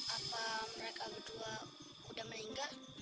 apa mereka berdua udah meninggal